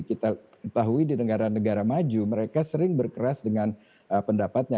kita ketahui di negara negara maju mereka sering berkeras dengan pendapatnya